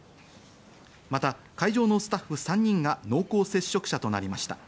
また、会場のスタッフ３人が濃厚接触者となりました。